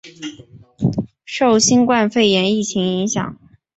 受新冠肺炎疫情影响